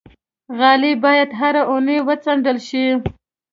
غالۍ باید هره اونۍ وڅنډل شي.